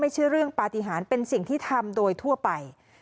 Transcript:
ไม่ใช่เรื่องปฏิหารเป็นสิ่งที่ทำโดยทั่วไป